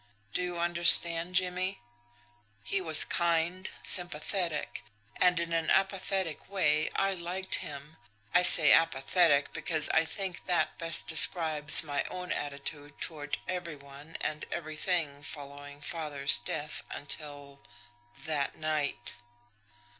Do you understand, Jimmie? He was kind, sympathetic; and, in an apathetic way, I liked him. I say 'apathetic' because I think that best describes my own attitude toward every one and everything following father's death until THAT NIGHT."